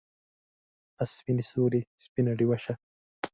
آ سپینې سولې سپینه ډیوه شه